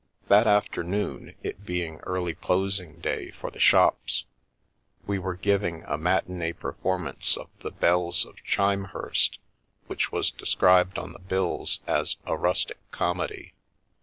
That afternoon, it being early closing day for the shops, we were giving a matinee performance of " The Bells of Chimehurst," which was described on the bills as a " rustic comedy."